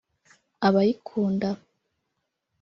Abayikunda